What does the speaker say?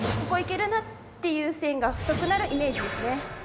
「ここいけるな！」っていう線が太くなるイメージですね。